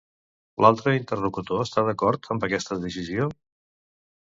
L'altre interlocutor està d'acord amb aquesta decisió?